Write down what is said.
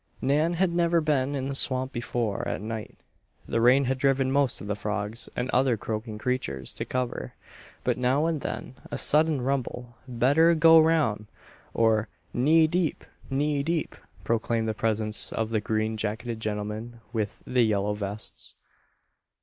Nan had never been in the swamp before at night. The rain had driven most of the frogs and other croaking creatures to cover. But now and then a sudden rumble "Better go roun'!" or "Knee deep! Knee deep!" proclaimed the presence of the green jacketed gentlemen with the yellow vests.